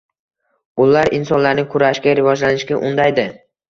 Ular insonlarni kurashga, rivojlanishga undaydi.